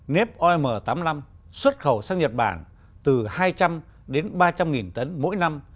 nếp om tám mươi năm xuất khẩu sang nhật bản từ hai trăm linh đến ba trăm linh tấn mỗi năm